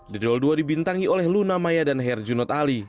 the doll dua dibintangi oleh luna maya dan herjunot ali